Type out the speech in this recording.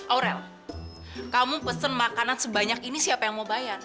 aurel kamu pesen makanan sebanyak ini siapa yang mau bayar